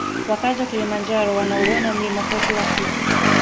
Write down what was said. Wakazi wa kilimanjaro wanauona mlima huo kila siku